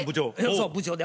そう部長で。